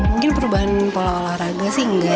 mungkin perubahan pola olahraga sih enggak